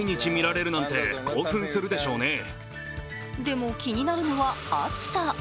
でも気になるのは暑さ。